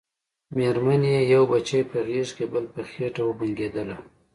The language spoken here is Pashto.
مېرمن يې يو بچی په غېږ کې بل په خېټه وبنګېدله.